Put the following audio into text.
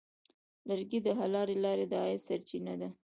لرګی د حلالې لارې د عاید سرچینه ده.